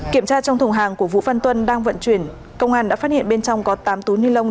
kiểm tra trong thùng hàng của vũ văn tuân đang vận chuyển công an đã phát hiện bên trong có tám túi ni lông